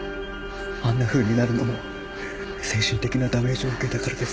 あんなふうになるのも精神的なダメージを受けたからです。